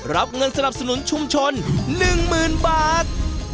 รับเงินสนับสนุนชุมชนหนึ่งหมื่นบาท